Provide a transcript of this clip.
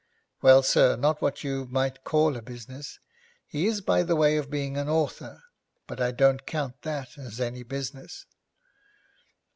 'Well, sir, not what you might call a business. He is by the way of being an author, but I don't count that any business.'